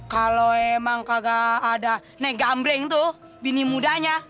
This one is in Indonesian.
kalo emang kagak ada nek gambreng tuh bini mudanya